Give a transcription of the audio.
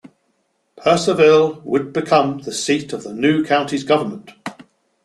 Purcellville would become the seat of the new county's government.